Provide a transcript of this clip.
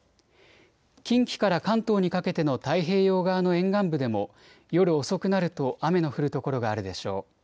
近畿から関東にかけての太平洋側の沿岸部でも夜遅くなると雨の降る所があるでしょう。